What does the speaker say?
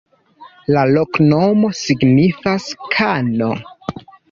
La loknomo signifas: kano.